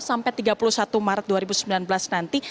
sampai tiga puluh satu maret dua ribu sembilan belas nanti